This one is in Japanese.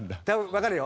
わかるよ。